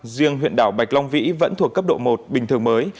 riêng huyện đảo bạch long vĩ vẫn thuộc cấp độ một bình thường mới